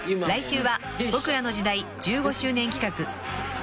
［来週は『ボクらの時代』１５周年企画］